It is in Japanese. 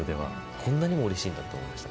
こんなにもうれしいんだと思いました。